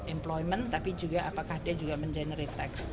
employment tapi juga apakah dia juga mengenerate tax